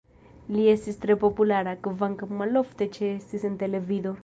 Li estis tre populara, kvankam malofte ĉeestis en televido.